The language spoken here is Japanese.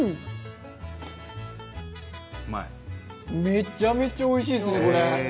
めちゃめちゃおいしいですねこれ。